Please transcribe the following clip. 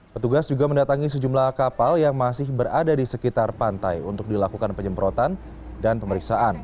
petugas juga mendatangi sejumlah kapal yang masih berada di sekitar pantai untuk dilakukan penyemprotan dan pemeriksaan